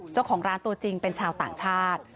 เจ้าของร้านตัวจริงเป็นชาวต่างชาติ